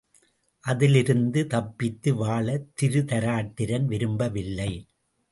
அதிலிருந்து தப்பித்து வாழ திருதராட்டிரன் விரும்பவில்லை.